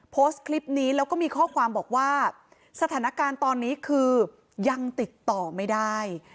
โพสต์คลิปนี้แล้วก็มีข้อความบอกว่าสถานการณ์ตอนนี้คือยังติดต่อไม่ได้